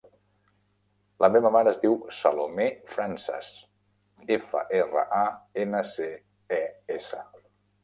La meva mare es diu Salomé Frances: efa, erra, a, ena, ce, e, essa.